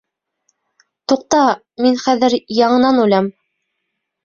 Туҡта, мин хәҙер яңынан үләм...